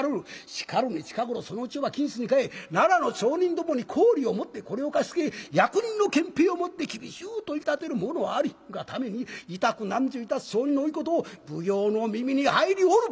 しかるに近頃そのうちは金子に換え奈良の町人どもに高利をもってこれを貸し付け役人の権柄をもって厳しゅう取り立てる者あるがためにいたく難渋いたす町人の多いことを奉行の耳に入りおる！